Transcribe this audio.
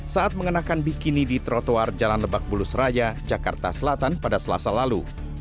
saat mengenakan bikini di trotoar jalan lebak bulus raya jakarta selatan pada selasa lalu